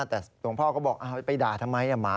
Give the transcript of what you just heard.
แต่หลวงพ่อก็บอกไปด่าทำไมหมามันน่ะน่ะ